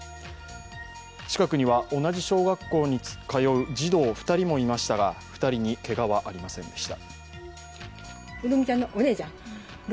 近くには同じ小学校に通う児童２人もいましたが２人にけがはありませんでした。